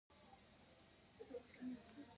هرات د افغانستان د صنعت لپاره مواد برابروي.